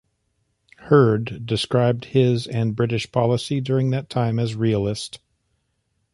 Hurd described his and British policy during that time as 'realist'.